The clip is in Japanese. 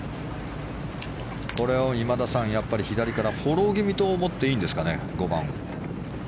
今田さん、これを左からフォロー気味と思っていいんですかね、５番は。